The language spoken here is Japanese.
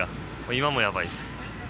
今もやばいです。